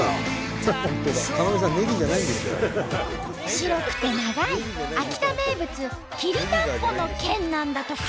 白くて長い秋田名物きりたんぽの剣なんだとか。